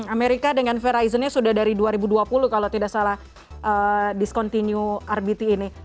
amerika dengan verizonnya sudah dari dua ribu dua puluh kalau tidak salah discontinue rbt ini